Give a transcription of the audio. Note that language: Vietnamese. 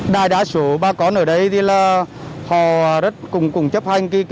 đại đá số ba con ở đây thì là họ rất cùng chấp hành